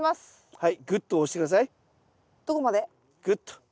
はい。